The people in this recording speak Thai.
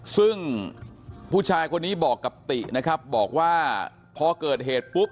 ซึ่งผู้ชายคนนี้บอกกับตินะครับบอกว่าพอเกิดเหตุปุ๊บ